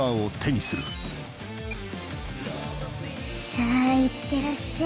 さぁいってらっしゃい。